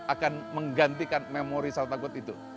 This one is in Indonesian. akan menggantikan memori salah takut itu